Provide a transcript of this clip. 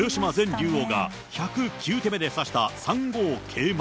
豊島前竜王が１０９手目で指した３五桂馬。